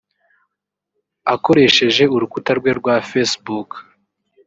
Akoresheje urukuta rwe rwa Facebook